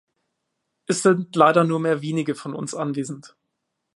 Es sind leider nur mehr wenige von uns anwesend.